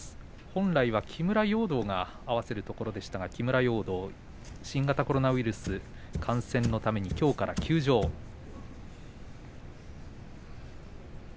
本来は木村容堂が合わせるところですが新型コロナウイルス感染のためきょうから休場です。